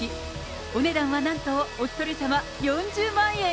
お値段はなんとお一人様４０万円。